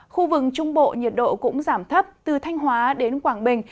khu vực trung bộ nhiệt độ cũng giảm thấp từ thanh hóa đến quảng bình